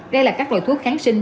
đây là các loại thuốc kháng sinh